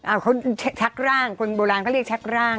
เขาชักร่างคนโบราณเขาเรียกชักร่าง